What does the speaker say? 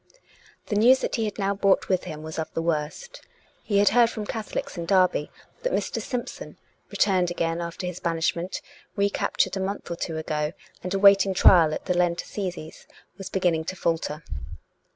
The news that he had now brought with him was of the worst. He had heard from Catholics in Derby that Mr. Simpson, returned again after his banishment, recaptured a month or two ago, and awaiting trial at the Lent Assizes, was beginning to falter.